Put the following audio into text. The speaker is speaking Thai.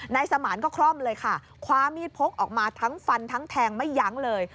นายสมานก็คล่อมเลยค่ะคว้ามีดพกออกมาทั้งฟันทั้งแทงไม่ยั้งเลย